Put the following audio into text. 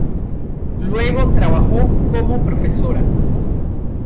Luego trabajó como profesora.